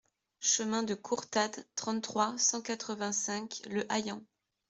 Chemin de Courtade, trente-trois, cent quatre-vingt-cinq Le Haillan